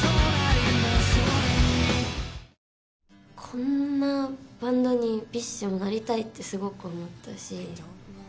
こんなバンドにＢｉＳＨもなりたいってすごく思ったし。